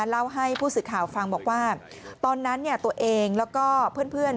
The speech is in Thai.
เล่าให้ผู้สื่อข่าวฟังบอกว่าตอนนั้นตัวเองแล้วก็เพื่อน